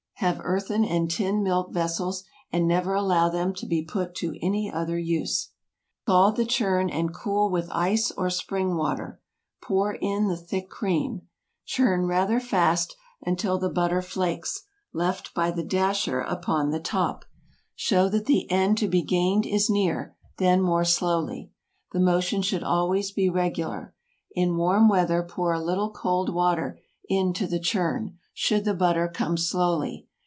Have earthen and tin milk vessels, and never allow them to be put to any other use. Scald the churn, and cool with ice or spring water; pour in the thick cream. Churn rather fast, until the butter flakes, left by the dasher upon the top, show that the end to be gained is near—then more slowly. The motion should always be regular. In warm weather pour a little cold water into the churn, should the butter come slowly.